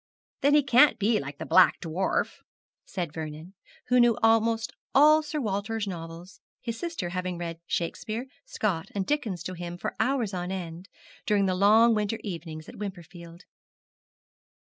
'Then he can't be like the Black Dwarf,' said Vernon, who knew almost all Sir Walter's novels, his sister having read Shakespeare, Scott, and Dickens to him for hours on end, during the long winter evenings at Wimperfield.